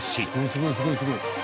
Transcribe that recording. すごいすごいすごい。